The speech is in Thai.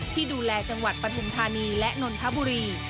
ที่ดูแลจังหวัดปฐุมธานีและนนทบุรี